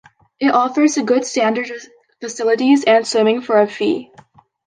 It offers a good standard of facilities and swimming, for a fee.